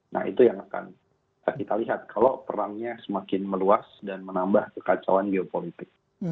nah itu yang akan kita lihat kalau perangnya semakin meluas dan menambah kekacauan geopolitik